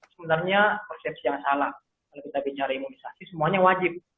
sebenarnya persepsi yang salah kalau kita bicara imunisasi semuanya wajib